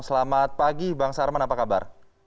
selamat pagi bang sarman apa kabar